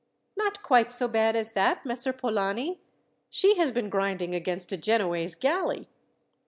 "Not quite so bad as that, Messer Polani. She has been grinding against a Genoese galley."